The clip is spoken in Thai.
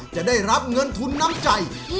จะได้รับเงินทุนน้ำใจ